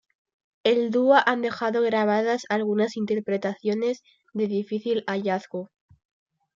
El dúo han dejado grabadas algunas interpretaciones de difícil hallazgo.